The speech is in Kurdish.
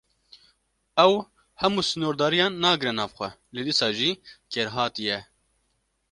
Ew hemû sînordariyan nagire nav xwe, lê dîsa jî kêrhatî ye.